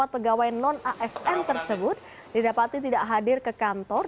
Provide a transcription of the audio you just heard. empat ratus delapan puluh empat pegawai non asn tersebut didapati tidak hadir ke kantor